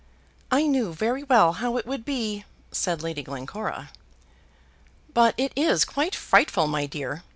"] "I knew very well how it would be," said Lady Glencora. "But it is quite frightful, my dear.